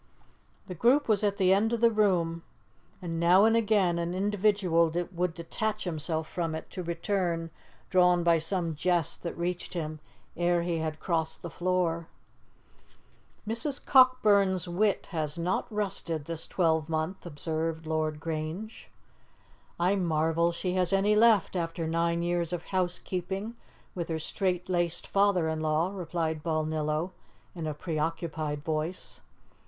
The group was at the end of the room, and now and again an individual would detach himself from it, to return, drawn by some jest that reached him ere he had crossed the floor. "Mrs. Cockburn's wit has not rusted this twelvemonth," observed Lord Grange. "I marvel she has any left after nine years of housekeeping with her straitlaced father in law," replied Balnillo in a preoccupied voice.